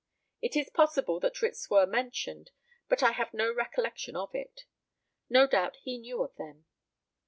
It is possible that writs were mentioned, but I have no recollection of it. No doubt he knew of them.